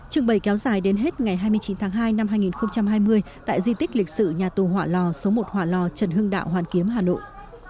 trưng bày kéo dài đến hết ngày hai mươi chín tháng hai năm hai nghìn hai mươi tại di tích lịch sử nhà tù hỏa lò số một hỏa lò trần hưng đạo hoàn kiếm hà nội